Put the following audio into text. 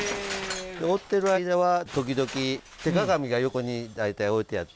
織ってる間は時々手鏡が横に大体置いてあって。